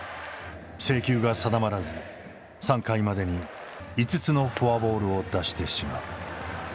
制球が定まらず３回までに５つのフォアボールを出してしまう。